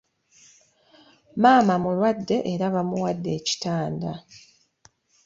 Maama mulwadde era baamuwadde ekitanda.